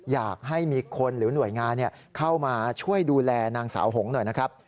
อยากให้มีคนหรือหน่วยงานเข้ามาช่วยดูแลนางสาวหงหน่อยนะครับ